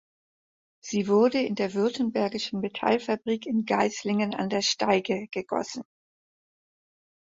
Sie wurde in der Württembergischen Metallfabrik in Geislingen an der Steige gegossen.